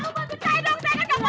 kamu bawa ke jendela rumah kita bu